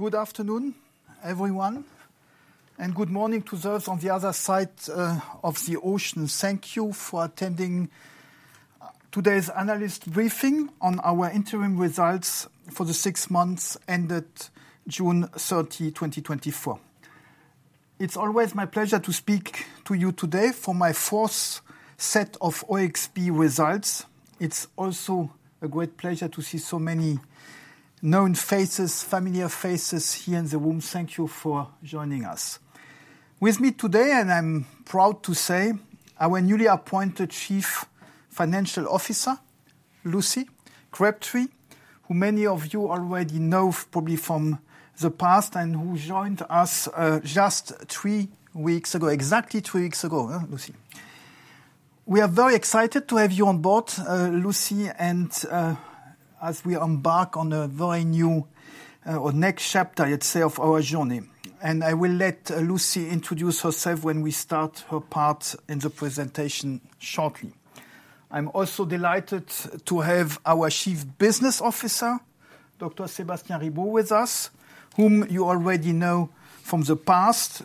Good afternoon, everyone, and good morning to those on the other side of the ocean. Thank you for attending today's analyst briefing on our interim results for the six months ended June thirty, 2024. It's always my pleasure to speak to you today for my fourth set of OXB results. It's also a great pleasure to see so many known faces, familiar faces here in the room. Thank you for joining us. With me today, and I'm proud to say, our newly appointed Chief Financial Officer, Lucie Crabtree, who many of you already know probably from the past, and who joined us just three weeks ago. Exactly three weeks ago, huh, Lucie? We are very excited to have you on board, Lucie, and as we embark on a very new or next chapter, let's say, of our journey. And I will let Lucie introduce herself when we start her part in the presentation shortly. I'm also delighted to have our Chief Business Officer, Dr. Sébastien Ribault, with us, whom you already know from the past.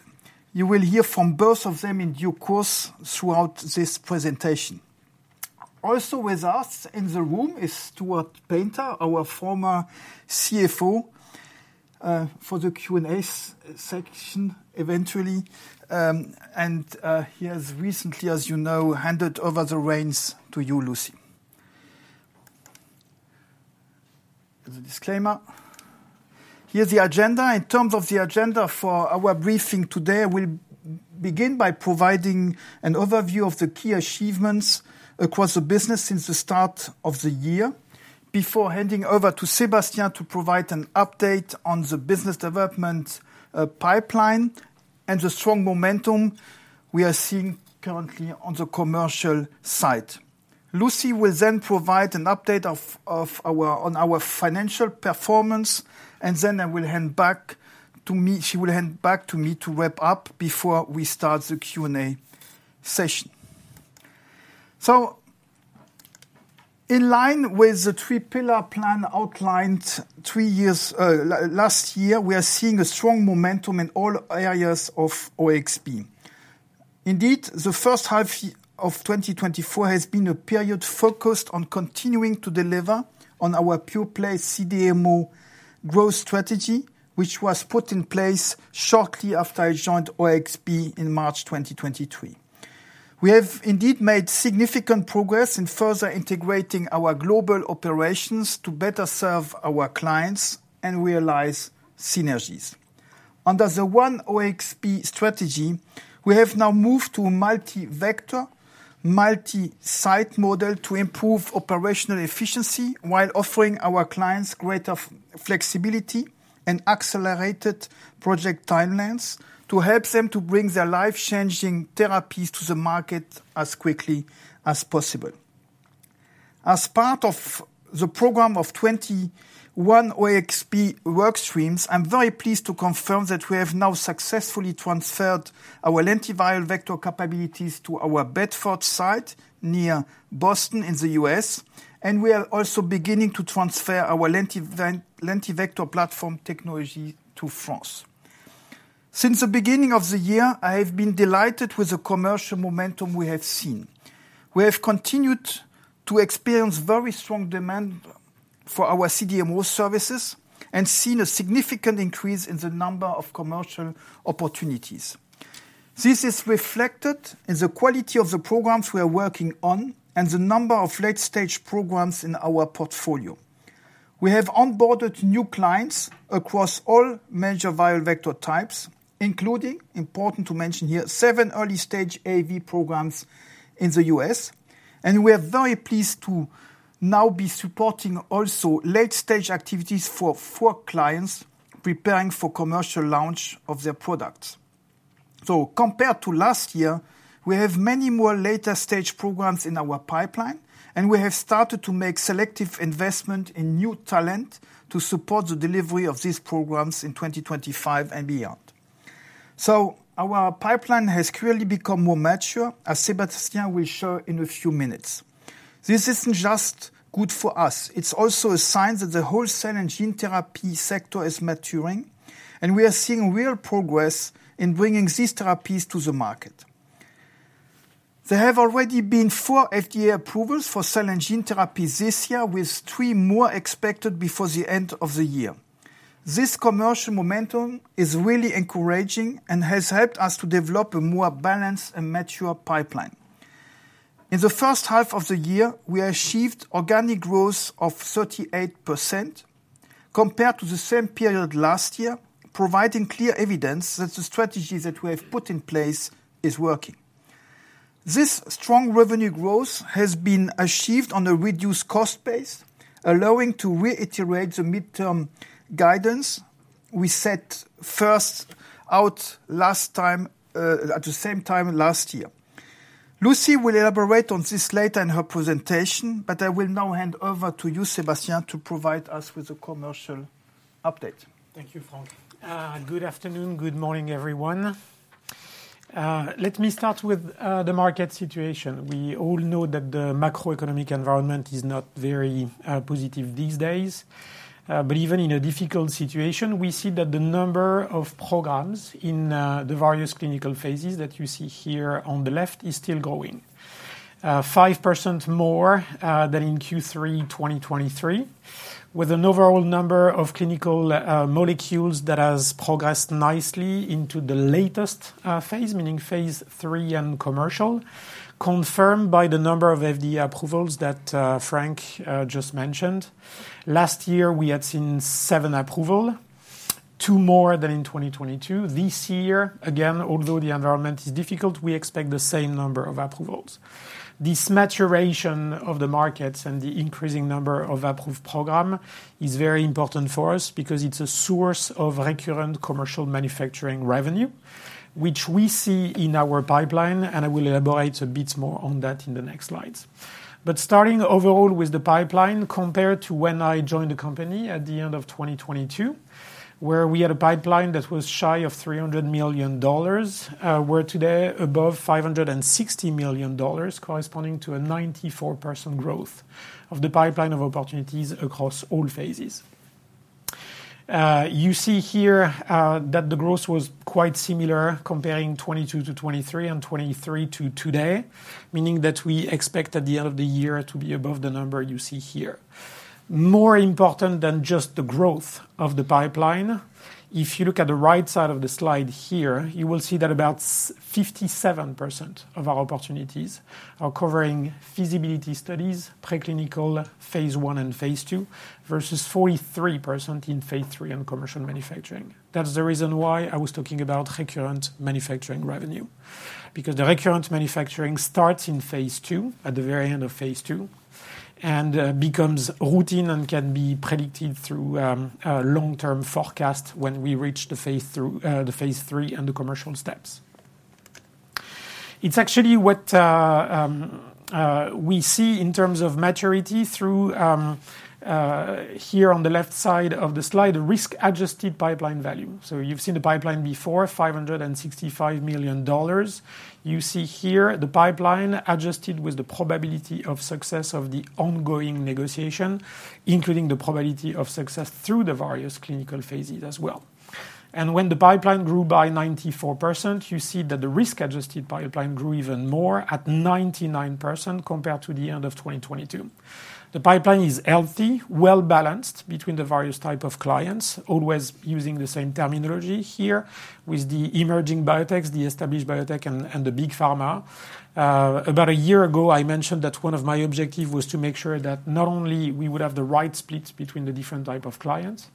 You will hear from both of them in due course throughout this presentation. Also with us in the room is Stuart Paynter, our former CFO, for the Q&A section eventually. And, he has recently, as you know, handed over the reins to you, Lucie. The disclaimer. Here's the agenda. In terms of the agenda for our briefing today, we'll begin by providing an overview of the key achievements across the business since the start of the year, before handing over to Sébastien to provide an update on the business development, pipeline and the strong momentum we are seeing currently on the commercial side. Lucie will then provide an update on our financial performance, and then she will hand back to me to wrap up before we start the Q&A session. So in line with the three-pillar plan outlined three years last year, we are seeing a strong momentum in all areas of OXP. Indeed, the first half of 2024 has been a period focused on continuing to deliver on our pure-play CDMO growth strategy, which was put in place shortly after I joined OXP in March 2023. We have indeed made significant progress in further integrating our global operations to better serve our clients and realize synergies. Under the One OXP strategy, we have now moved to a multi-vector, multi-site model to improve operational efficiency, while offering our clients greater flexibility and accelerated project timelines to help them to bring their life-changing therapies to the market as quickly as possible. As part of the program of twenty-one OXP work streams, I'm very pleased to confirm that we have now successfully transferred our lentiviral vector capabilities to our Bedford site near Boston, in the U.S., and we are also beginning to transfer our LentiVector platform technology to France. Since the beginning of the year, I have been delighted with the commercial momentum we have seen. We have continued to experience very strong demand for our CDMO services and seen a significant increase in the number of commercial opportunities. This is reflected in the quality of the programs we are working on and the number of late-stage programs in our portfolio. We have onboarded new clients across all major viral vector types, including, important to mention here, seven early-stage AAV programs in the U.S., and we are very pleased to now be supporting also late-stage activities for four clients preparing for commercial launch of their products. So compared to last year, we have many more later-stage programs in our pipeline, and we have started to make selective investment in new talent to support the delivery of these programs in twenty twenty-five and beyond. So our pipeline has clearly become more mature, as Sébastien will show in a few minutes. This isn't just good for us, it's also a sign that the cell and gene therapy sector is maturing, and we are seeing real progress in bringing these therapies to the market. There have already been four FDA approvals for cell and gene therapy this year, with three more expected before the end of the year. This commercial momentum is really encouraging and has helped us to develop a more balanced and mature pipeline. In the first half of the year, we achieved organic growth of 38% compared to the same period last year, providing clear evidence that the strategy that we have put in place is working. This strong revenue growth has been achieved on a reduced cost base, allowing to reiterate the midterm guidance we set first out last time, at the same time last year. Lucie will elaborate on this later in her presentation, but I will now hand over to you, Sébastien, to provide us with a commercial update. Thank you, Frank. Good afternoon. Good morning, everyone. Let me start with the market situation. We all know that the macroeconomic environment is not very positive these days. But even in a difficult situation, we see that the number of programs in the various clinical phases that you see here on the left is still growing. 5% more than in Q3 2023, with an overall number of clinical molecules that has progressed nicely into the latest phase, meaning phase III and commercial, confirmed by the number of FDA approvals that Frank just mentioned. Last year, we had seen seven approval, two more than in 2022. This year, again, although the environment is difficult, we expect the same number of approvals. This maturation of the markets and the increasing number of approved program is very important for us because it's a source of recurrent commercial manufacturing revenue, which we see in our pipeline, and I will elaborate a bit more on that in the next slides. But starting overall with the pipeline, compared to when I joined the company at the end of 2022, where we had a pipeline that was shy of $300 million, we're today above $560 million, corresponding to a 94% growth of the pipeline of opportunities across all phases. You see here, that the growth was quite similar, comparing 2022 to 2023 and 2023 to today, meaning that we expect at the end of the year to be above the number you see here. More important than just the growth of the pipeline, if you look at the right side of the slide here, you will see that about 57% of our opportunities are covering feasibility studies, preclinical phase I and phase II, versus 43% in phase III and commercial manufacturing. That's the reason why I was talking about recurrent manufacturing revenue, because the recurrent manufacturing starts in phase II, at the very end of phase II, and, becomes routine and can be predicted through, a long-term forecast when we reach the phase through, the phase III and the commercial steps. It's actually what, we see in terms of maturity through, here on the left side of the slide, risk-adjusted pipeline value. So you've seen the pipeline before, $565 million. You see here the pipeline adjusted with the probability of success of the ongoing negotiation, including the probability of success through the various clinical phases as well. When the pipeline grew by 94%, you see that the risk-adjusted pipeline grew even more, at 99% compared to the end of 2022. The pipeline is healthy, well-balanced between the various type of clients, always using the same terminology here with the emerging biotechs, the established biotech, and the big pharma. About a year ago, I mentioned that one of my objective was to make sure that not only we would have the right splits between the different type of clients,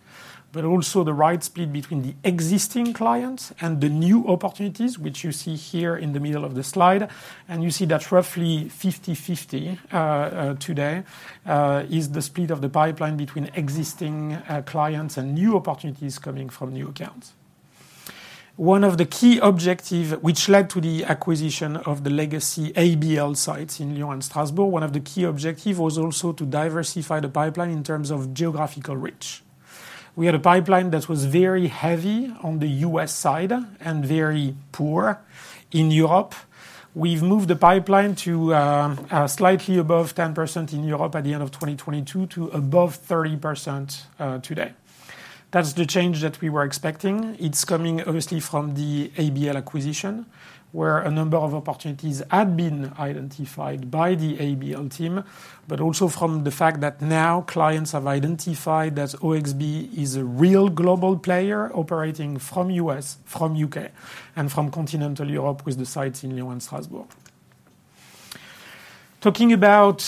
but also the right split between the existing clients and the new opportunities, which you see here in the middle of the slide. You see that roughly fifty-fifty today is the split of the pipeline between existing clients and new opportunities coming from new accounts. One of the key objective, which led to the acquisition of the legacy ABL sites in Lyon and Strasbourg, one of the key objective was also to diversify the pipeline in terms of geographical reach. We had a pipeline that was very heavy on the U.S. side and very poor in Europe. We've moved the pipeline to slightly above 10% in Europe at the end of twenty twenty-two to above 30% today. That's the change that we were expecting. It's coming obviously from the ABL acquisition, where a number of opportunities had been identified by the ABL team, but also from the fact that now clients have identified that OXB is a real global player operating from U.S., from U.K., and from Continental Europe with the sites in Lyon and Strasbourg. Talking about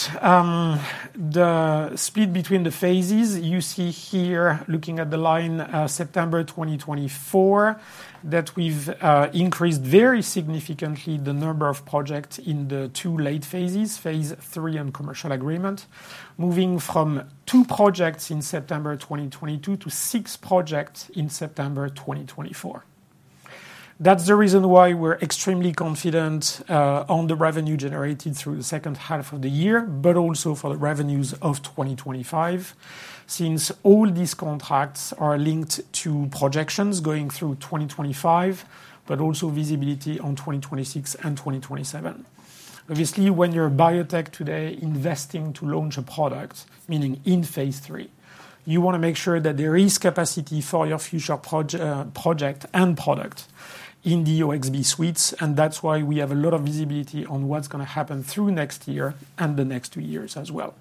the split between the phases, you see here, looking at the line, September twenty twenty-four, that we've increased very significantly the number of projects in the two late phases, phase III and commercial agreement, moving from two projects in September twenty twenty-two to six projects in September twenty twenty-four. That's the reason why we're extremely confident on the revenue generated through the second half of the year, but also for the revenues of 2025, since all these contracts are linked to projections going through 2025, but also visibility on 2026 and 2027. Obviously, when you're a biotech today, investing to launch a product, meaning in phase III, you want to make sure that there is capacity for your future project and product in the OXB suites, and that's why we have a lot of visibility on what's going to happen through next year and the next two years as well.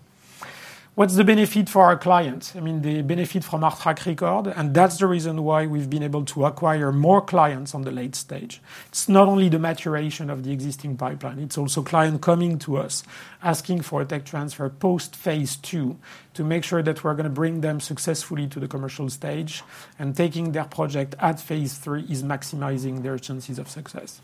What's the benefit for our clients? I mean, the benefit from our track record, and that's the reason why we've been able to acquire more clients on the late stage. It's not only the maturation of the existing pipeline, it's also client coming to us, asking for a tech transfer post phase II, to make sure that we're going to bring them successfully to the commercial stage, and taking their project at phase III is maximizing their chances of success.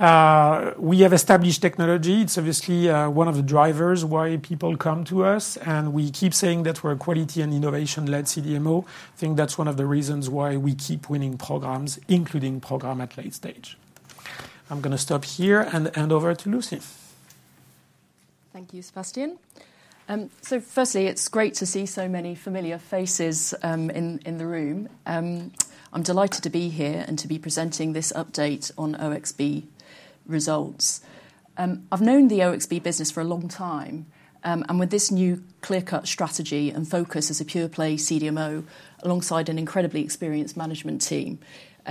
We have established technology. It's obviously one of the drivers why people come to us, and we keep saying that we're a quality and innovation-led CDMO. I think that's one of the reasons why we keep winning programs, including program at late stage. I'm going to stop here and hand over to Lucie.... Thank you, Sébastien. So firstly, it's great to see so many familiar faces in the room. I'm delighted to be here and to be presenting this update on OXB results. I've known the OXB business for a long time, and with this new clear-cut strategy and focus as a pure-play CDMO, alongside an incredibly experienced management team,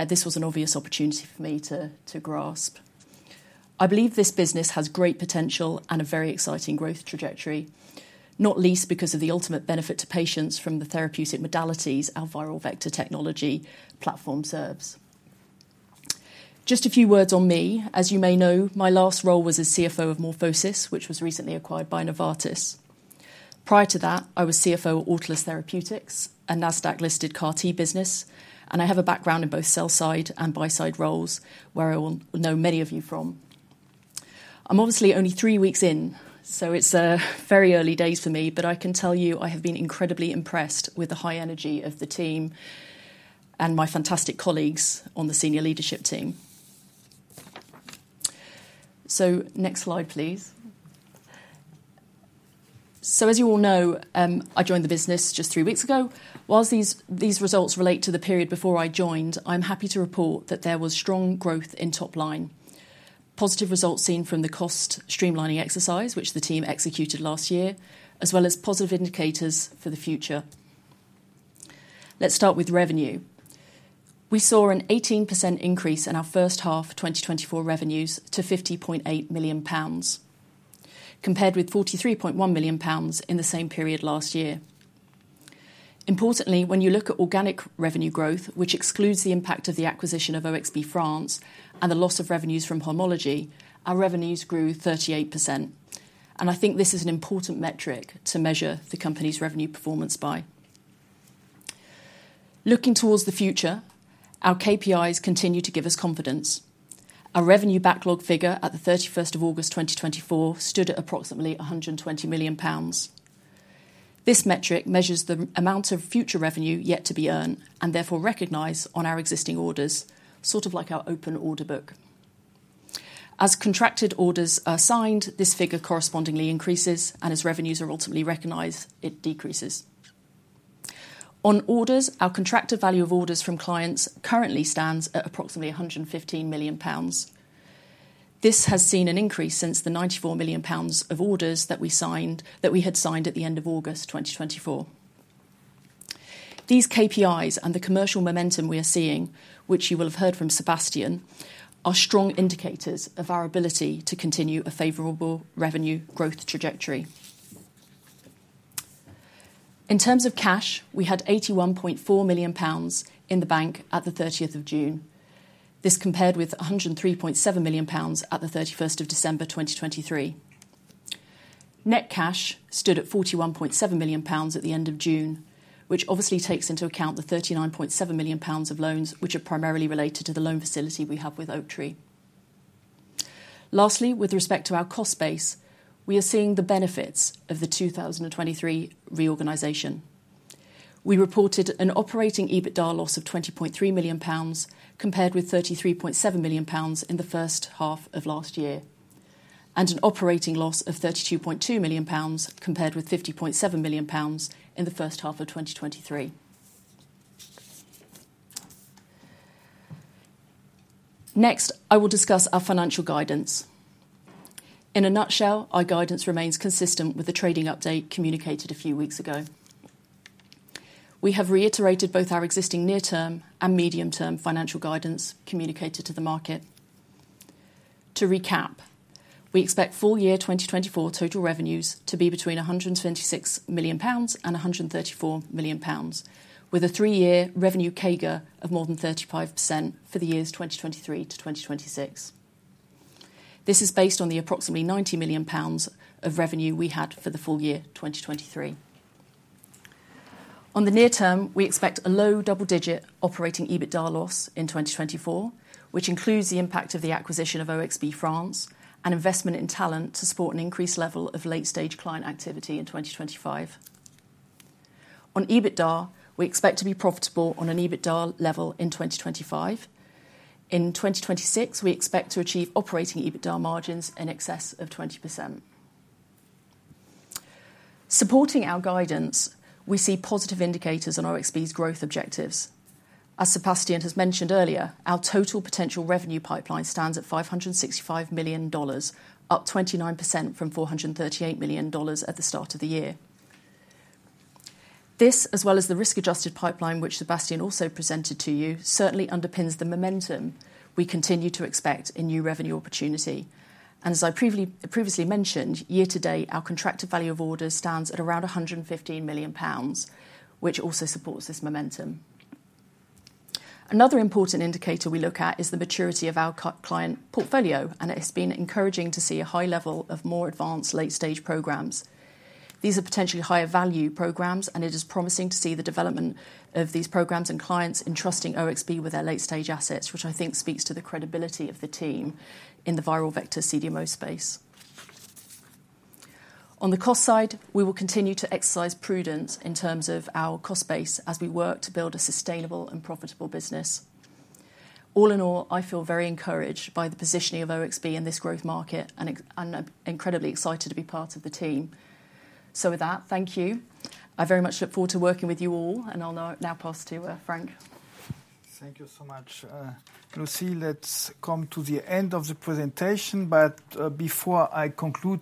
this was an obvious opportunity for me to grasp. I believe this business has great potential and a very exciting growth trajectory, not least because of the ultimate benefit to patients from the therapeutic modalities our viral vector technology platform serves. Just a few words on me. As you may know, my last role was as CFO of MorphoSys, which was recently acquired by Novartis. Prior to that, I was CFO at Autolus Therapeutics, a NASDAQ-listed CAR-T business, and I have a background in both sell-side and buy-side roles, where I will know many of you from. I'm obviously only three weeks in, so it's very early days for me, but I can tell you I have been incredibly impressed with the high energy of the team and my fantastic colleagues on the senior leadership team. So next slide, please. So as you all know, I joined the business just three weeks ago. Whilst these results relate to the period before I joined, I'm happy to report that there was strong growth in top-line. Positive results seen from the cost streamlining exercise, which the team executed last year, as well as positive indicators for the future. Let's start with revenue. We saw an 18% increase in our first half of 2024 revenues to 50.8 million pounds, compared with 43.1 million pounds in the same period last year. Importantly, when you look at organic revenue growth, which excludes the impact of the acquisition of OXB France and the loss of revenues from Homology, our revenues grew 38%, and I think this is an important metric to measure the company's revenue performance by. Looking towards the future, our KPIs continue to give us confidence. Our revenue backlog figure at the 31st of August 2024 stood at approximately 120 million pounds. This metric measures the amount of future revenue yet to be earned, and therefore recognized on our existing orders, sort of like our open order book. As contracted orders are signed, this figure correspondingly increases, and as revenues are ultimately recognized, it decreases. On orders, our contracted value of orders from clients currently stands at approximately 115 million pounds. This has seen an increase since the 94 million pounds of orders that we signed, that we had signed at the end of August 2024. These KPIs and the commercial momentum we are seeing, which you will have heard from Sébastien, are strong indicators of our ability to continue a favorable revenue growth trajectory. In terms of cash, we had 81.4 million pounds in the bank at the 30th of June. This compared with 103.7 million pounds at the 31st of December 2023. Net cash stood at GBP 41.7 million at the end of June, which obviously takes into account the GBP 39.7 million of loans, which are primarily related to the loan facility we have with Oaktree. Lastly, with respect to our cost base, we are seeing the benefits of the 2023 reorganization. We reported an operating EBITDA loss of 20.3 million pounds, compared with 33.7 million pounds in the first half of last year, and an operating loss of 32.2 million pounds, compared with 50.7 million pounds in the first half of 2023. Next, I will discuss our financial guidance. In a nutshell, our guidance remains consistent with the trading update communicated a few weeks ago. We have reiterated both our existing near-term and medium-term financial guidance communicated to the market. To recap, we expect full year 2024 total revenues to be between £126 million and £134 million, with a three-year revenue CAGR of more than 35% for the years 2023 to 2026. This is based on the approximately £90 million of revenue we had for the full year 2023. On the near term, we expect a low double-digit operating EBITDA loss in 2024, which includes the impact of the acquisition of OXB France and investment in talent to support an increased level of late-stage client activity in 2025. On EBITDA, we expect to be profitable on an EBITDA level in 2025. In 2026, we expect to achieve operating EBITDA margins in excess of 20%. Supporting our guidance, we see positive indicators on OXB's growth objectives. As Sebastian has mentioned earlier, our total potential revenue pipeline stands at $565 million, up 29% from $438 million at the start of the year. This, as well as the risk-adjusted pipeline, which Sebastian also presented to you, certainly underpins the momentum we continue to expect in new revenue opportunity, and as I previously mentioned, year to date, our contracted value of orders stands at around £115 million, which also supports this momentum. Another important indicator we look at is the maturity of our client portfolio, and it has been encouraging to see a high level of more advanced late-stage programs. These are potentially higher value programs, and it is promising to see the development of these programs and clients entrusting OXB with their late-stage assets, which I think speaks to the credibility of the team in the viral vector CDMO space. On the cost side, we will continue to exercise prudence in terms of our cost base as we work to build a sustainable and profitable business.... All in all, I feel very encouraged by the positioning of OXB in this growth market, and I'm incredibly excited to be part of the team. So with that, thank you. I very much look forward to working with you all, and I'll now pass to Frank. Thank you so much, Lucie. Let's come to the end of the presentation, but before I conclude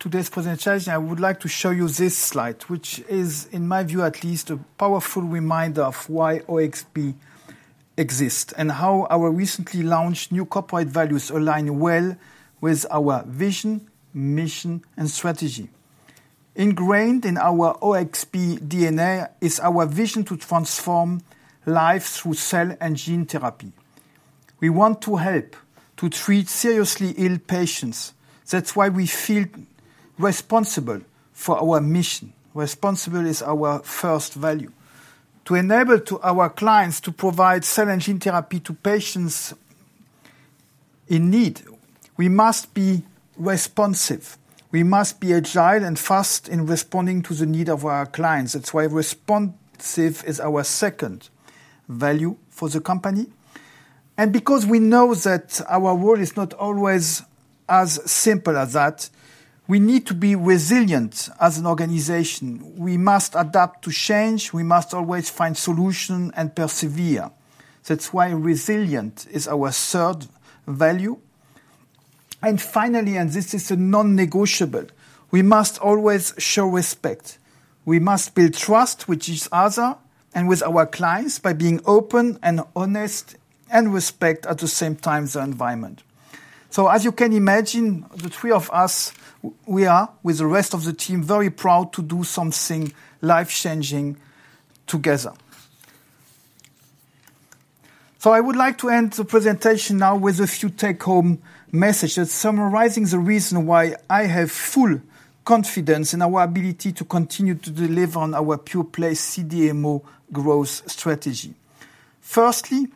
today's presentation, I would like to show you this slide, which is, in my view, at least, a powerful reminder of why OXB exists, and how our recently launched new corporate values align well with our vision, mission, and strategy. Ingrained in our OXB DNA is our vision to transform lives through cell and gene therapy. We want to help to treat seriously ill patients. That's why we feel responsible for our mission. Responsible is our first value. To enable to our clients to provide cell and gene therapy to patients in need, we must be responsive. We must be agile and fast in responding to the need of our clients. That's why responsive is our second value for the company, and because we know that our world is not always as simple as that, we need to be resilient as an organization. We must adapt to change. We must always find solution and persevere. That's why resilient is our third value. And finally, and this is a non-negotiable, we must always show respect. We must build trust with each other and with our clients by being open, and honest, and respect, at the same time, the environment. So as you can imagine, the three of us, we are, with the rest of the team, very proud to do something life-changing together. So I would like to end the presentation now with a few take-home messages, summarizing the reason why I have full confidence in our ability to continue to deliver on our pure-play CDMO growth strategy. Firstly,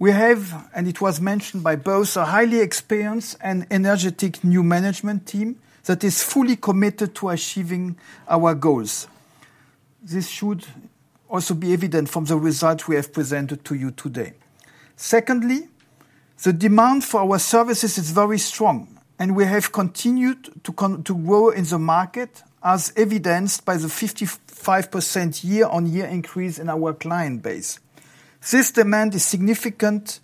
we have, and it was mentioned by both, a highly experienced and energetic new management team that is fully committed to achieving our goals. This should also be evident from the results we have presented to you today. Secondly, the demand for our services is very strong, and we have continued to grow in the market, as evidenced by the 55% year-on-year increase in our client base. This demand is significant,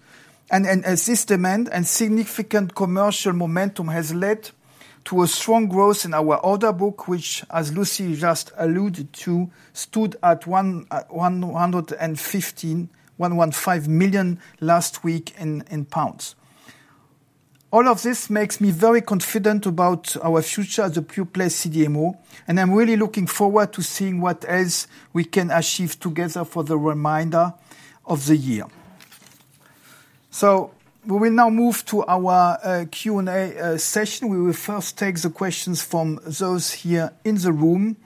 and this demand and significant commercial momentum has led to a strong growth in our order book, which, as Lucie just alluded to, stood at 115 million last week in pounds. All of this makes me very confident about our future as a pure-play CDMO, and I'm really looking forward to seeing what else we can achieve together for the remainder of the year. So we will now move to our Q&A session. We will first take the questions from those here in the room.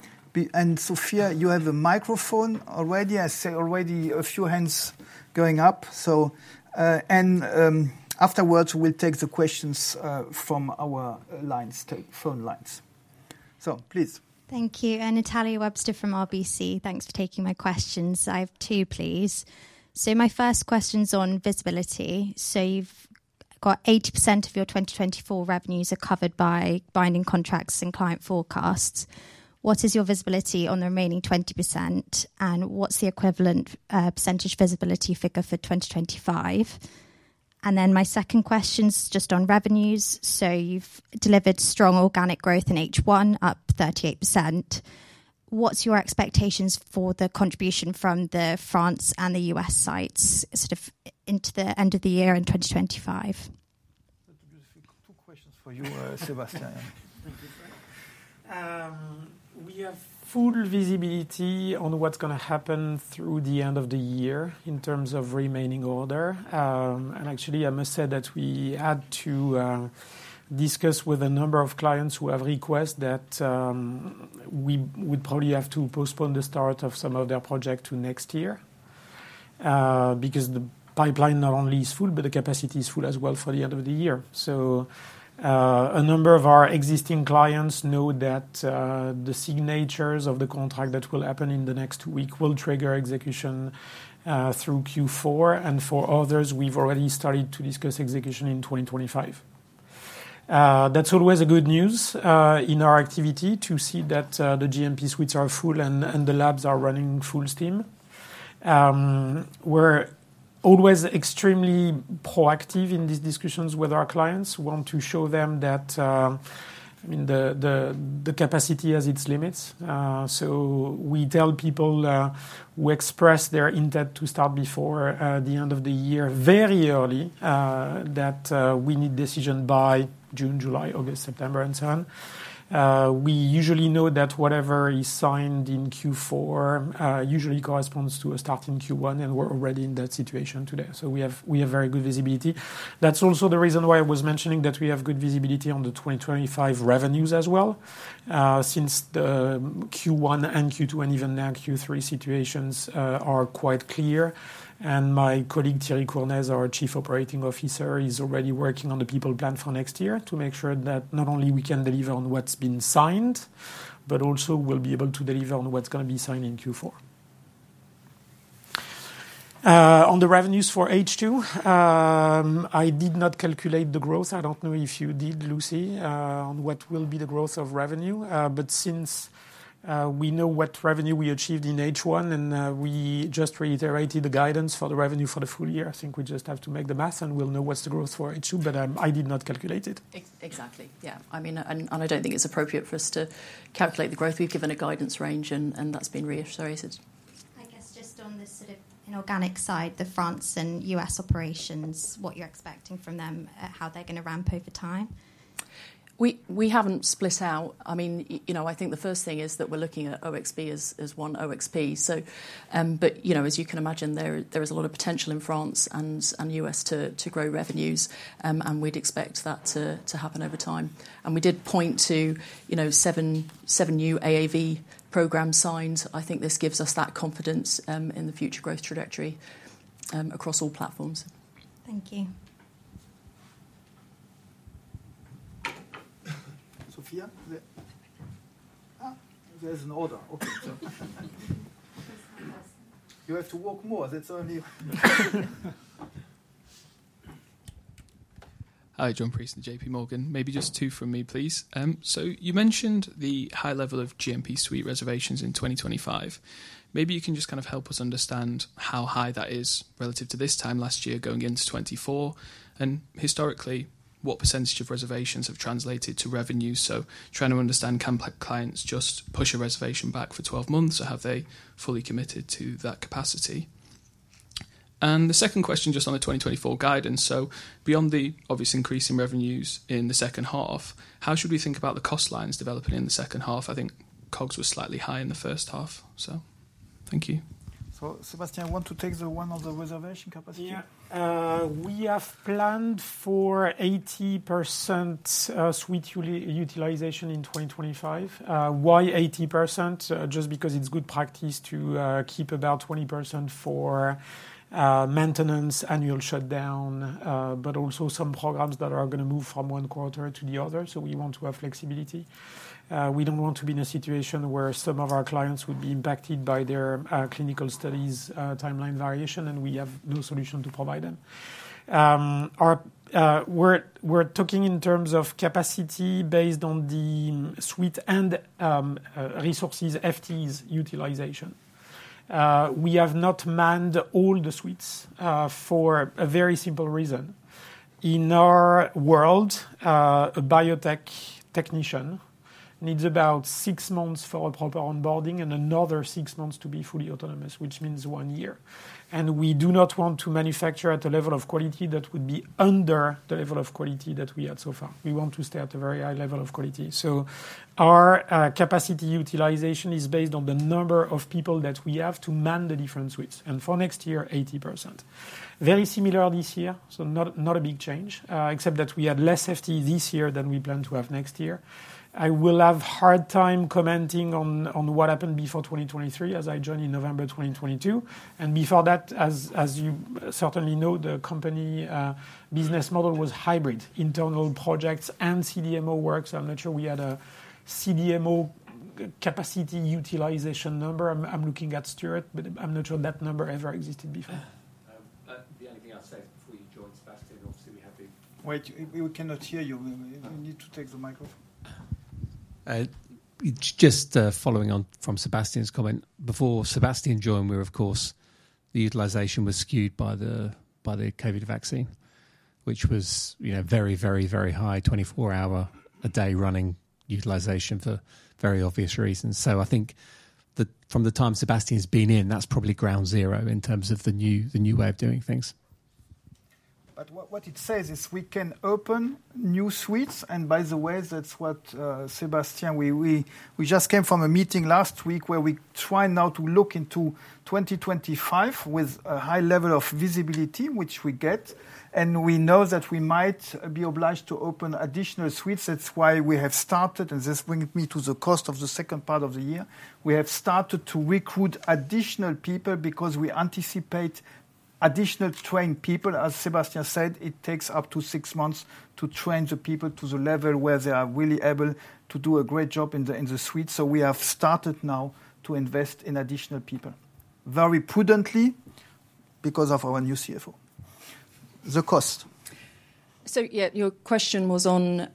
And Sophia, you have a microphone already. I see already a few hands going up, so... And afterwards, we'll take the questions from our lines, take phone lines. So please. Thank you, and Natalia Webster from RBC. Thanks for taking my questions. I have two, please. So my first question's on visibility. So you've got 80% of your 2024 revenues are covered by binding contracts and client forecasts. What is your visibility on the remaining 20%, and what's the equivalent percentage visibility figure for 2025? And then my second question's just on revenues. So you've delivered strong organic growth in H1, up 38%. What's your expectations for the contribution from the France and the US sites, sort of into the end of the year in 2025? Two questions for you, Sébastien. Thank you, Frank. We have full visibility on what's gonna happen through the end of the year in terms of remaining order. And actually, I must say that we had to discuss with a number of clients who have requested that we probably have to postpone the start of some of their project to next year because the pipeline not only is full, but the capacity is full as well for the end of the year. So, a number of our existing clients know that the signatures of the contract that will happen in the next week will trigger execution through Q4, and for others, we've already started to discuss execution in 2025. That's always a good news in our activity, to see that the GMP suites are full and the labs are running full steam. We're always extremely proactive in these discussions with our clients. We want to show them that, I mean, the capacity has its limits, so we tell people who express their intent to start before the end of the year, very early, that we need decision by June, July, August, September, and so on. We usually know that whatever is signed in Q4 usually corresponds to a start in Q1, and we're already in that situation today, so we have very good visibility. That's also the reason why I was mentioning that we have good visibility on the 2025 revenues as well, since the Q1 and Q2, and even now, Q3 situations are quite clear. My colleague, Thierry Cournez, our Chief Operating Officer, is already working on the people plan for next year to make sure that not only we can deliver on what's been signed, but also we'll be able to deliver on what's going to be signed in Q4.... On the revenues for H2, I did not calculate the growth. I don't know if you did, Lucy, on what will be the growth of revenue. But since we know what revenue we achieved in H1 and we just reiterated the guidance for the revenue for the full year, I think we just have to make the math, and we'll know what's the growth for H2, but I did not calculate it. Exactly. Yeah. I mean, and I don't think it's appropriate for us to calculate the growth. We've given a guidance range, and that's been reiterated. I guess just on the sort of inorganic side, the France and US operations, what you're expecting from them, how they're going to ramp over time? We haven't split out. I mean, you know, I think the first thing is that we're looking at OXB as one OXB. So, but, you know, as you can imagine, there is a lot of potential in France and US to grow revenues, and we'd expect that to happen over time, and we did point to, you know, seven new AAV programs signed. I think this gives us that confidence in the future growth trajectory across all platforms. Thank you. Sophia? There, there's an order. Okay. You have to walk more. That's only... Hi, John Preece from J.P. Morgan. Maybe just two from me, please. So you mentioned the high level of GMP suite reservations in twenty twenty-five. Maybe you can just kind of help us understand how high that is relative to this time last year, going into twenty-four, and historically, what percentage of reservations have translated to revenue? So trying to understand, can clients just push a reservation back for twelve months, or have they fully committed to that capacity? And the second question, just on the twenty twenty-four guidance, so beyond the obvious increase in revenues in the second half, how should we think about the cost lines developing in the second half? I think COGS was slightly high in the first half. So thank you. So Sébastien, want to take the one on the reservation capacity? Yeah. We have planned for 80% suite utilization in twenty twenty-five. Why 80%? Just because it's good practice to keep about 20% for maintenance, annual shutdown, but also some programs that are going to move from one quarter to the other, so we want to have flexibility. We don't want to be in a situation where some of our clients would be impacted by their clinical studies timeline variation, and we have no solution to provide them. We're talking in terms of capacity based on the suite and resources, FTEs utilization. We have not manned all the suites for a very simple reason. In our world, a biotech technician needs about six months for a proper onboarding and another six months to be fully autonomous, which means one year, and we do not want to manufacture at a level of quality that would be under the level of quality that we had so far. We want to stay at a very high level of quality, so our capacity utilization is based on the number of people that we have to man the different suites, and for next year, 80%. Very similar this year, so not a big change, except that we had less FT this year than we plan to have next year. I will have a hard time commenting on what happened before 2023, as I joined in November 2022, and before that, as you certainly know, the company business model was hybrid, internal projects and CDMO work, so I'm not sure we had a CDMO capacity utilization number. I'm looking at Stuart, but I'm not sure that number ever existed before. The only thing I'll say, before you joined, Sébastien, obviously, we had the... Wait, we cannot hear you. You need to take the microphone. Just following on from Sébastien's comment. Before Sébastien joined me, of course, the utilization was skewed by the COVID vaccine, which was, you know, very, very, very high, twenty-four hour a day running utilization for very obvious reasons. So I think from the time Sébastien's been in, that's probably ground zero in terms of the new way of doing things. But what it says is we can open new suites, and by the way, that's what, Sebastian, we just came from a meeting last week where we try now to look into twenty twenty-five with a high level of visibility, which we get, and we know that we might be obliged to open additional suites. That's why we have started, and this brings me to the cost of the second part of the year, we have started to recruit additional people because we anticipate additional trained people. As Sebastian said, it takes up to six months to train the people to the level where they are really able to do a great job in the suite. So we have started now to invest in additional people, very prudently because of our new CFO. The cost. So yeah, your question was on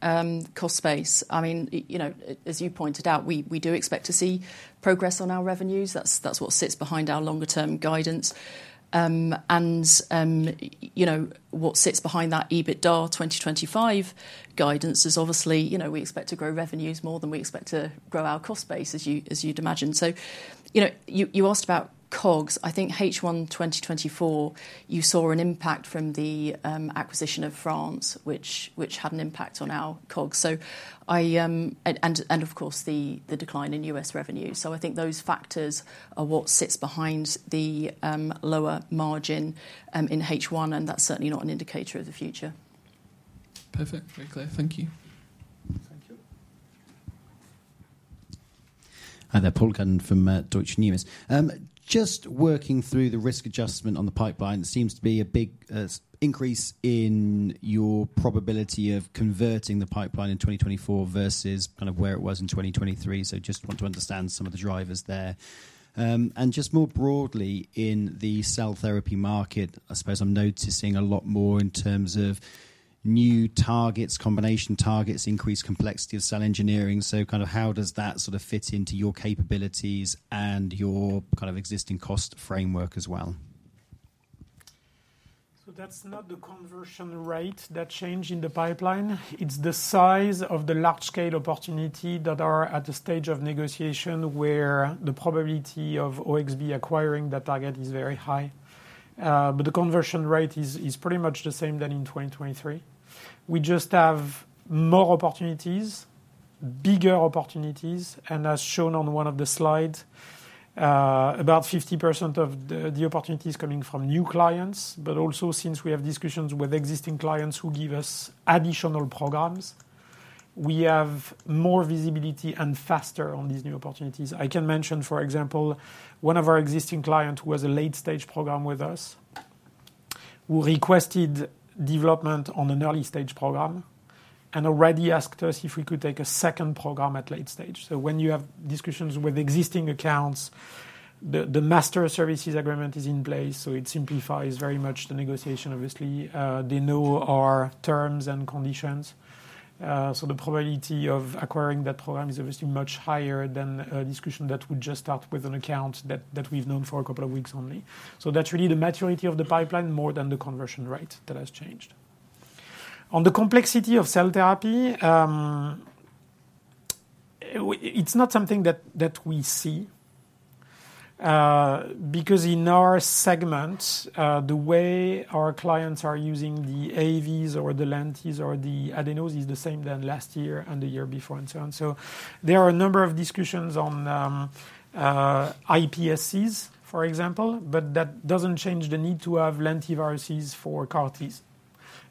cost base. I mean, you know, as you pointed out, we do expect to see progress on our revenues. That's what sits behind our longer-term guidance, and what sits behind that EBITDA 2025 guidance is obviously, you know, we expect to grow revenues more than we expect to grow our cost base, as you'd imagine, so you know, you asked about COGS. I think H1 2024, you saw an impact from the acquisition of France, which had an impact on our COGS, and of course the decline in U.S. revenue, so I think those factors are what sits behind the lower margin in H1, and that's certainly not an indicator of the future. Perfect. Very clear. Thank you. Hi there, Paul Cuddon from Deutsche Numis. Just working through the risk adjustment on the pipeline, there seems to be a big increase in your probability of converting the pipeline in twenty twenty-four versus kind of where it was in twenty twenty-three. So just want to understand some of the drivers there. And just more broadly, in the cell therapy market, I suppose I'm noticing a lot more in terms of new targets, combination targets, increased complexity of cell engineering. So kind of, how does that sort of fit into your capabilities and your kind of existing cost framework as well? That's not the conversion rate that changed in the pipeline. It's the size of the large-scale opportunity that are at the stage of negotiation, where the probability of OXB acquiring that target is very high. But the conversion rate is pretty much the same as in 2023. We just have more opportunities, bigger opportunities, and as shown on one of the slides, about 50% of the opportunities coming from new clients. But also, since we have discussions with existing clients who give us additional programs, we have more visibility and faster on these new opportunities. I can mention, for example, one of our existing client who has a late-stage program with us, who requested development on an early-stage program and already asked us if we could take a second program at late stage. So when you have discussions with existing accounts, the master services agreement is in place, so it simplifies very much the negotiation. Obviously, they know our terms and conditions, so the probability of acquiring that program is obviously much higher than a discussion that would just start with an account that we've known for a couple of weeks only. So that's really the maturity of the pipeline more than the conversion rate that has changed. On the complexity of cell therapy, it's not something that we see. Because in our segments, the way our clients are using the AAVs or the lentis or the AAVs is the same than last year and the year before, and so on. There are a number of discussions on iPSCs, for example, but that doesn't change the need to have lentiviruses for CAR-Ts.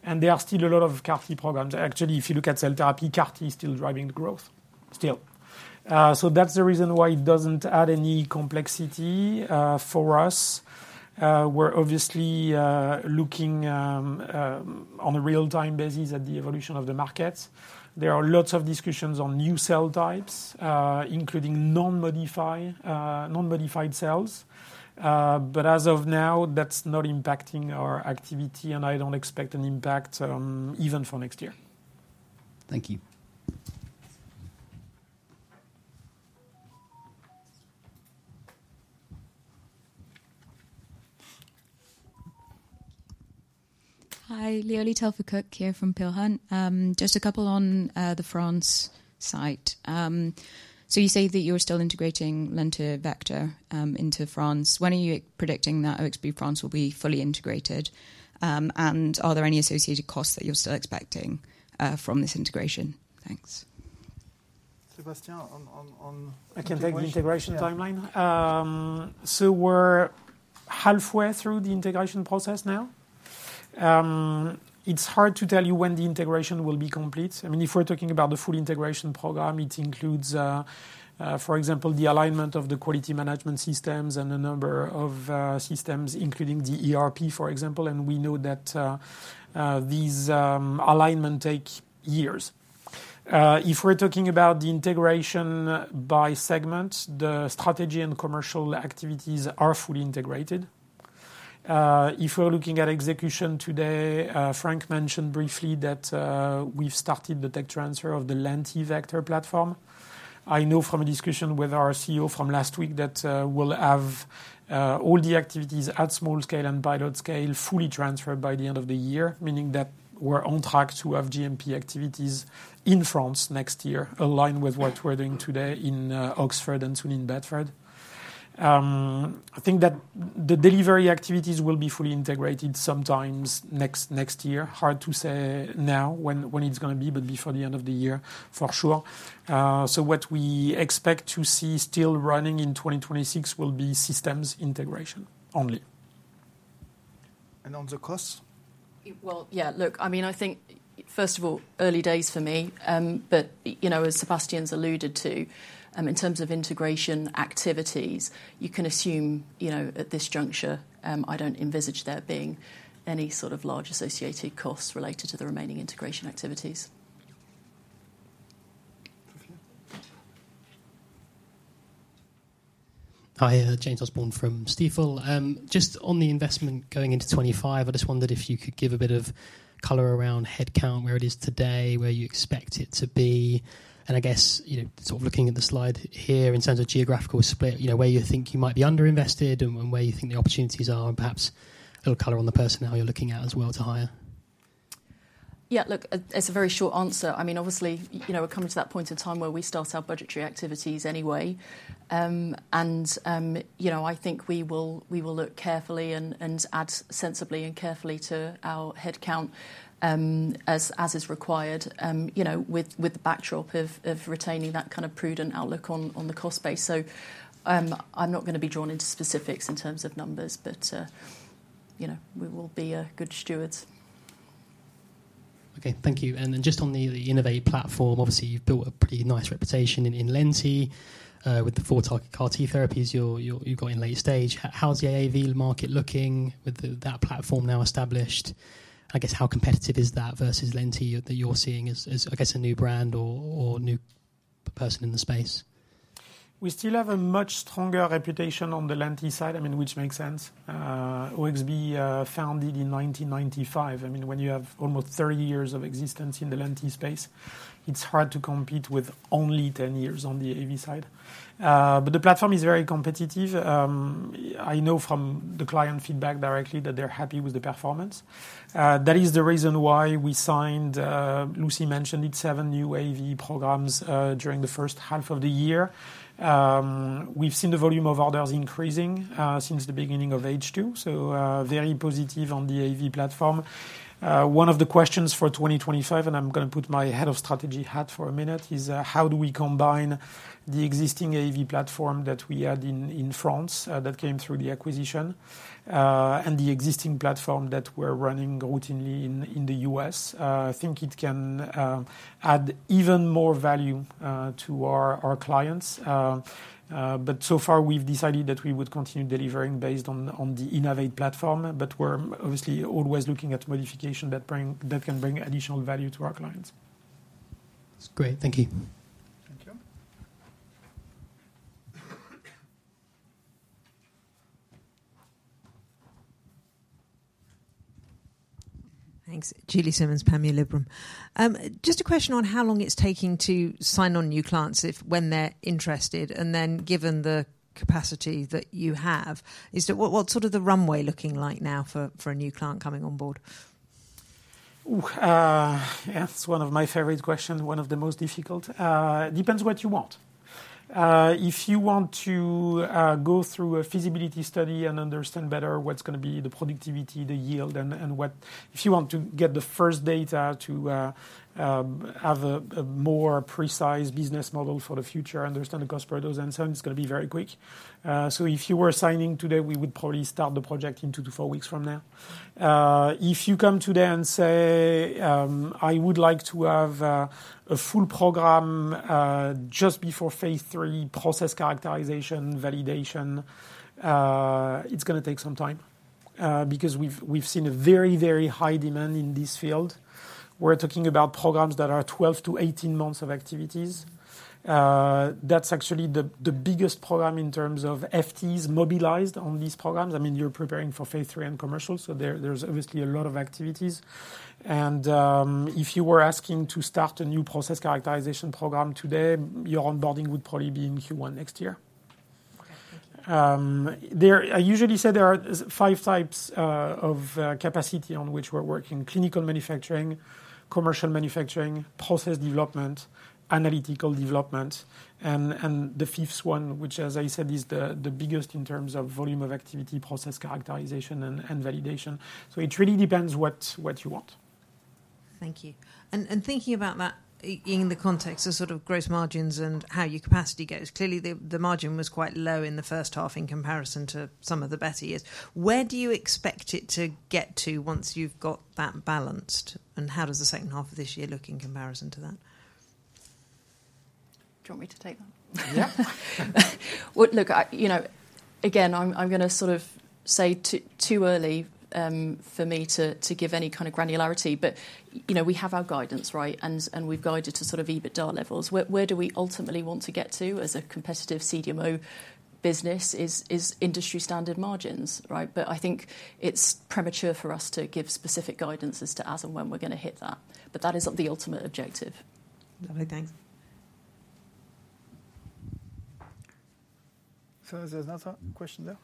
And there are still a lot of CAR-T programs. Actually, if you look at cell therapy, CAR-T is still driving the growth still. That's the reason why it doesn't add any complexity for us. We're obviously looking on a real-time basis at the evolution of the markets. There are lots of discussions on new cell types, including non-modified cells. But as of now, that's not impacting our activity, and I don't expect an impact even for next year. Thank you. Hi, Leolie Telfer-Cook here from Peel Hunt. Just a couple on the France site. So you say that you're still integrating LentiVector into France. When are you predicting that OXB France will be fully integrated? And are there any associated costs that you're still expecting from this integration? Thanks. Sébastien, I can take the integration timeline. Yeah. So we're halfway through the integration process now. It's hard to tell you when the integration will be complete. I mean, if we're talking about the full integration program, it includes, for example, the alignment of the quality management systems and a number of systems, including the ERP, for example, and we know that these alignment take years. If we're talking about the integration by segment, the strategy and commercial activities are fully integrated. If we're looking at execution today, Frank mentioned briefly that we've started the tech transfer of the LentiVector platform. I know from a discussion with our CEO from last week that, we'll have, all the activities at small scale and pilot scale, fully transferred by the end of the year, meaning that we're on track to have GMP activities in France next year, aligned with what we're doing today in, Oxford and soon in Bedford. I think that the delivery activities will be fully integrated sometimes next year. Hard to say now when it's gonna be, but before the end of the year, for sure. So what we expect to see still running in 2026 will be systems integration only. And on the costs? Yeah, look, I mean, I think, first of all, early days for me. But, you know, as Sébastien's alluded to, in terms of integration activities, you can assume, you know, at this juncture, I don't envisage there being any sort of large associated costs related to the remaining integration activities. Perfect. Hi, James Osborne from Stifel. Just on the investment going into twenty-five, I just wondered if you could give a bit of color around headcount, where it is today, where you expect it to be, and I guess, you know, sort of looking at the slide here in terms of geographical split, you know, where you think you might be underinvested and where you think the opportunities are, and perhaps a little color on the personnel you're looking at as well to hire. Yeah, look, it's a very short answer. I mean, obviously, you know, we're coming to that point in time where we start our budgetary activities anyway. And, you know, I think we will look carefully and add sensibly and carefully to our headcount, as is required, you know, with the backdrop of retaining that kind of prudent outlook on the cost base. So, I'm not gonna be drawn into specifics in terms of numbers, but, you know, we will be good stewards.... Okay, thank you. And then just on the innovative platform, obviously, you've built a pretty nice reputation in Lenti with the four target CAR T therapies you've got in late stage. How's the AAV market looking with that platform now established? I guess how competitive is that versus Lenti that you're seeing as a new brand or new person in the space? We still have a much stronger reputation on the Lenti side, I mean, which makes sense. OxB, founded in nineteen ninety-five. I mean, when you have almost thirty years of existence in the Lenti space, it's hard to compete with only ten years on the AAV side. But the platform is very competitive. I know from the client feedback directly that they're happy with the performance. That is the reason why we signed, Lucie mentioned it, seven new AAV programs during the first half of the year. We've seen the volume of orders increasing since the beginning of H2, so very positive on the AAV platform. One of the questions for 2025, and I'm gonna put my head of strategy hat for a minute, is how do we combine the existing AAV platform that we had in France that came through the acquisition, and the existing platform that we're running routinely in the US? I think it can add even more value to our clients. But so far, we've decided that we would continue delivering based on the Innovate platform, but we're obviously always looking at modification that can bring additional value to our clients. That's great. Thank you. Thank you. Thanks. Julie Simmonds, Panmure Gordon. Just a question on how long it's taking to sign on new clients if, when they're interested, and then given the capacity that you have, is that... What's sort of the runway looking like now for a new client coming on board? Yeah, it's one of my favorite questions, one of the most difficult. It depends what you want. If you want to go through a feasibility study and understand better what's gonna be the productivity, the yield, and what-- If you want to get the first data to have a more precise business model for the future, understand the cost per dose and so on, it's gonna be very quick. So if you were signing today, we would probably start the project in two to four weeks from now. If you come today and say, "I would like to have a full program just before phase three, process characterization, validation," it's gonna take some time because we've seen a very, very high demand in this field. We're talking about programs that are 12-18 months of activities. That's actually the biggest program in terms of FTs mobilized on these programs. I mean, you're preparing for phase three and commercial, so there's obviously a lot of activities. If you were asking to start a new process characterization program today, your onboarding would probably be in Q1 next year. I usually say there are five types of capacity on which we're working: clinical manufacturing, commercial manufacturing, process development, analytical development, and the fifth one, which, as I said, is the biggest in terms of volume of activity, process characterization and validation. So it really depends what you want. Thank you. And thinking about that in the context of sort of gross margins and how your capacity goes, clearly the margin was quite low in the first half in comparison to some of the better years. Where do you expect it to get to once you've got that balanced? And how does the second half of this year look in comparison to that? Do you want me to take that? Yeah. Well, look, I... You know, again, I'm gonna sort of say too early for me to give any kind of granularity, but, you know, we have our guidance, right? And we've guided to sort of EBITDA levels. Where do we ultimately want to get to as a competitive CDMO business is industry-standard margins, right? But I think it's premature for us to give specific guidance as to as and when we're gonna hit that, but that is the ultimate objective. Lovely. Thanks. So is there another question there?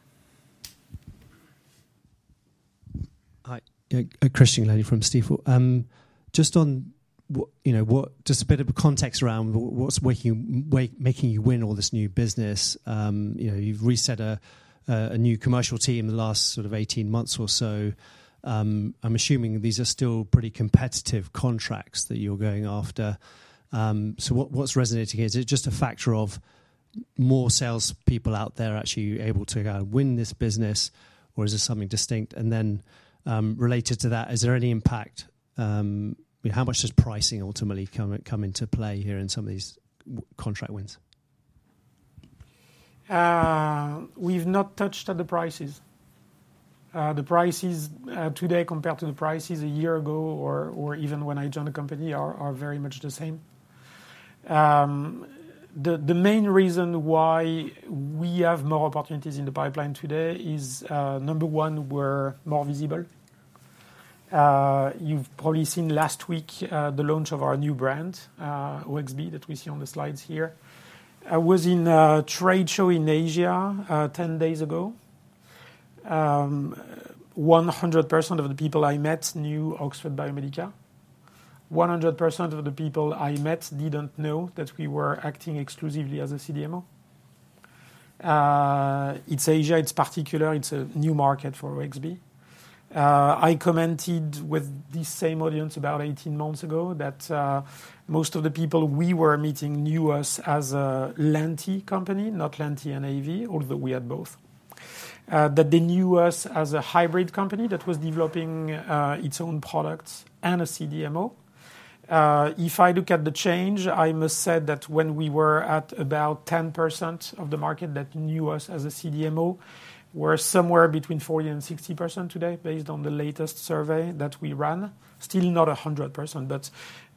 Hi. Christian Glennie from Stifel. Just on what, you know, what. Just a bit of context around what's making you win all this new business. You know, you've reset a new commercial team in the last sort of eighteen months or so. I'm assuming these are still pretty competitive contracts that you're going after. So what, what's resonating? Is it just a factor of more salespeople out there actually able to win this business, or is this something distinct? And then, related to that, is there any impact. How much does pricing ultimately come into play here in some of these contract wins? We've not touched on the prices. The prices today compared to the prices a year ago or even when I joined the company are very much the same. The main reason why we have more opportunities in the pipeline today is number one, we're more visible. You've probably seen last week the launch of our new brand, OxB, that we see on the slides here. I was in a trade show in Asia ten days ago. 100% of the people I met knew Oxford Biomedica. 100% of the people I met didn't know that we were acting exclusively as a CDMO. It's Asia, it's particular, it's a new market for OxB. I commented with this same audience about eighteen months ago that most of the people we were meeting knew us as a Lenti company, not Lenti and AAV, although we had both, that they knew us as a hybrid company that was developing its own products and a CDMO. If I look at the change, I must say that when we were at about 10% of the market that knew us as a CDMO, we're somewhere between 40% and 60% today, based on the latest survey that we ran. Still not 100%, but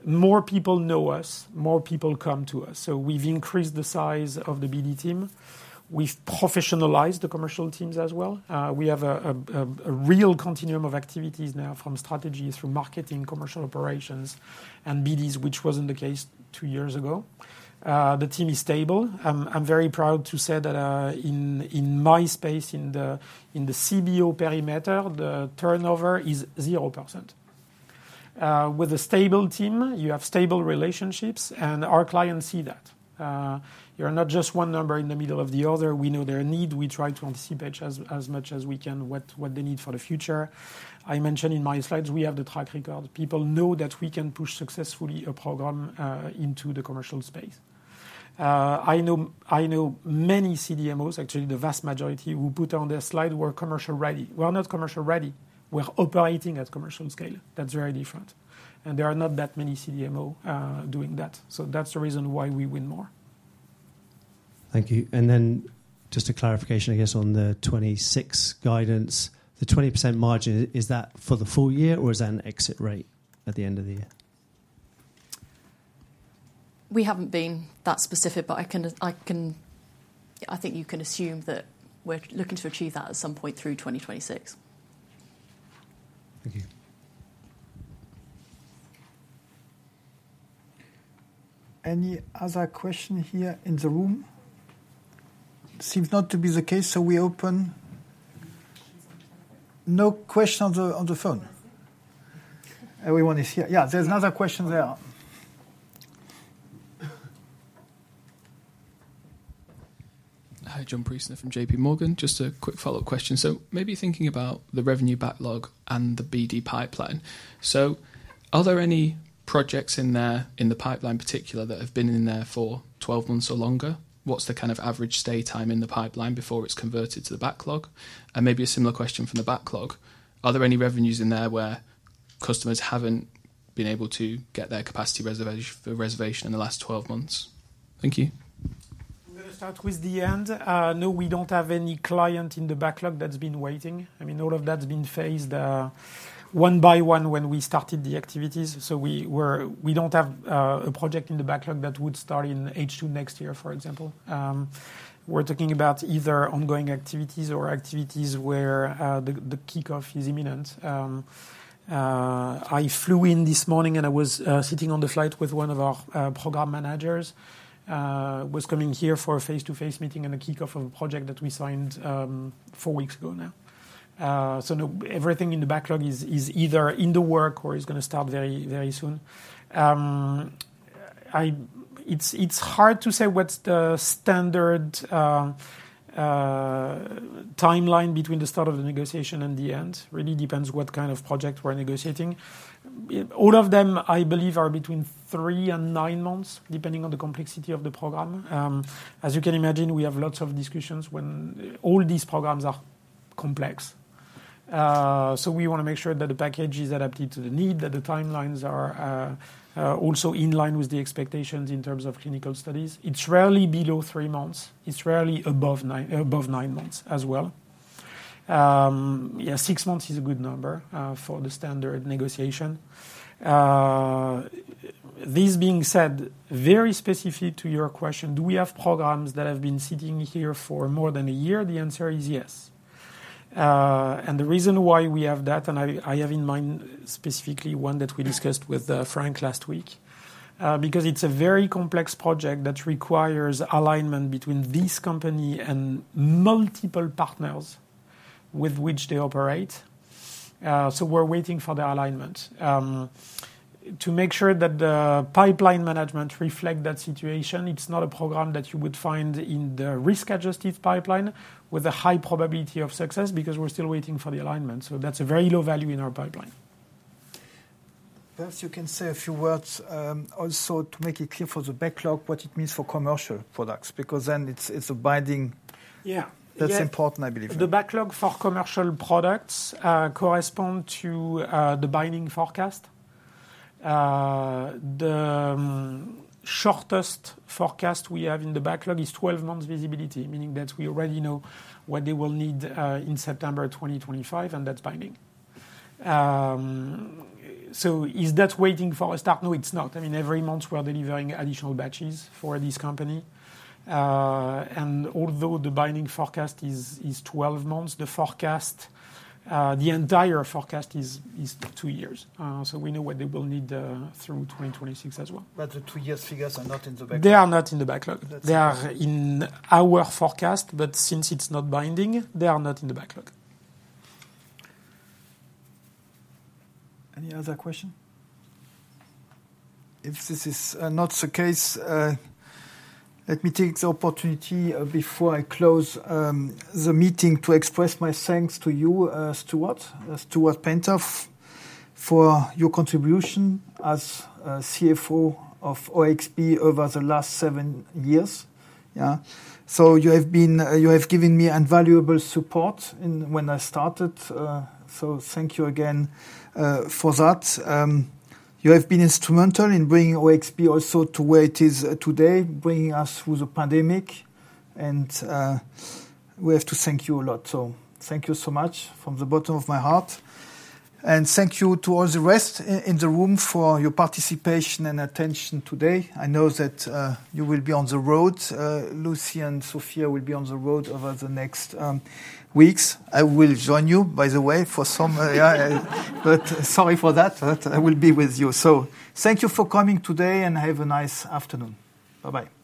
more people know us, more people come to us. So we've increased the size of the BD team. We've professionalized the commercial teams as well. We have a real continuum of activities now, from strategy through marketing, commercial operations, and BDs, which wasn't the case two years ago. The team is stable. I'm very proud to say that in my space in the CBO perimeter, the turnover is 0%. With a stable team, you have stable relationships, and our clients see that. You're not just one number in the middle of the other. We know their need. We try to anticipate as much as we can, what they need for the future. I mentioned in my slides, we have the track record. People know that we can push successfully a program into the commercial space. I know many CDMOs, actually, the vast majority, who put on their slide, "We're commercial ready." We're not commercial ready. We're operating at commercial scale. That's very different, and there are not that many CDMO doing that, so that's the reason why we win more. Thank you. And then just a clarification, I guess, on the 2026 guidance. The 20% margin, is that for the full year, or is that an exit rate at the end of the year? We haven't been that specific, but I can. I think you can assume that we're looking to achieve that at some point through 2026. Thank you. Any other question here in the room? Seems not to be the case, so we open... No question on the phone? Everyone is here. Yeah, there's another question there. Hi, John Preece from J.P. Morgan. Just a quick follow-up question. So maybe thinking about the revenue backlog and the BD pipeline. So are there any projects in there, in the pipeline, in particular, that have been in there for twelve months or longer? What's the kind of average stay time in the pipeline before it's converted to the backlog? And maybe a similar question from the backlog. Are there any revenues in there where customers haven't been able to get their capacity reservation in the last twelve months? Thank you. I'm gonna start with the end. No, we don't have any client in the backlog that's been waiting. I mean, all of that's been phased one by one when we started the activities, so we don't have a project in the backlog that would start in H2 next year, for example. We're talking about either ongoing activities or activities where the kickoff is imminent. I flew in this morning, and I was sitting on the flight with one of our program managers was coming here for a face-to-face meeting and a kickoff of a project that we signed four weeks ago now. So no, everything in the backlog is either in the work or is gonna start very, very soon. I... It's hard to say what's the standard timeline between the start of the negotiation and the end. Really depends what kind of project we're negotiating. All of them, I believe, are between three and nine months, depending on the complexity of the program. As you can imagine, we have lots of discussions when all these programs are complex. So we wanna make sure that the package is adapted to the need, that the timelines are also in line with the expectations in terms of clinical studies. It's rarely below three months. It's rarely above nine, above nine months as well. Yeah, six months is a good number for the standard negotiation. This being said, very specifically to your question, do we have programs that have been sitting here for more than a year? The answer is yes. And the reason why we have that, and I have in mind specifically one that we discussed with Frank last week, because it's a very complex project that requires alignment between this company and multiple partners with which they operate. So we're waiting for the alignment. To make sure that the pipeline management reflect that situation, it's not a program that you would find in the risk-adjusted pipeline with a high probability of success, because we're still waiting for the alignment. So that's a very low value in our pipeline. Perhaps you can say a few words, also to make it clear for the backlog, what it means for commercial products, because then it's a binding- Yeah. That's important, I believe. The backlog for commercial products correspond to the binding forecast. The shortest forecast we have in the backlog is 12 months visibility, meaning that we already know what they will need in September 2025, and that's binding. So is that waiting for a start? No, it's not. I mean, every month, we're delivering additional batches for this company. And although the binding forecast is 12 months, the forecast, the entire forecast is 2 years. So we know what they will need through 2026 as well. But the two years figures are not in the backlog? They are not in the backlog. That's- They are in our forecast, but since it's not binding, they are not in the backlog. Any other question? If this is not the case, let me take the opportunity before I close the meeting to express my thanks to you, Stuart Paynter, for your contribution as CFO of OXP over the last seven years. Yeah. So you have given me invaluable support in when I started, so thank you again for that. You have been instrumental in bringing OXP also to where it is today, bringing us through the pandemic, and we have to thank you a lot. So thank you so much from the bottom of my heart. And thank you to all the rest in the room for your participation and attention today. I know that you will be on the road. Lucie and Sophia will be on the road over the next weeks. I will join you, by the way, for some, but sorry for that. I will be with you, so thank you for coming today, and have a nice afternoon. Bye-bye.